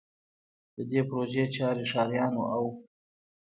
د دې پروژې چارې ښاریانو او